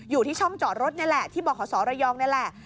อยู่ที่ช่องจอดรถนี่แหละที่บขศระยองนี่แหละ